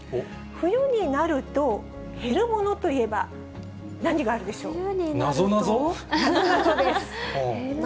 冬になると、減るものといえば何があるでしょう。